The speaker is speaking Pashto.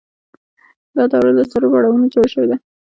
دا دوره له څلورو پړاوونو جوړه شوې ده